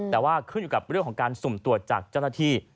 แต่ว่าขึ้นอยู่กับเรื่องของการสุ่มตรวจจากเจ้าหน้าที่